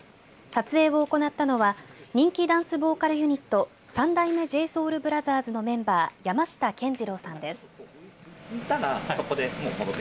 撮影を行ったのは人気ダンス・ボーカルユニット三代目ＪＳｏｕｌＢｒｏｔｈｅｒｓのメンバー山下健二郎さんです。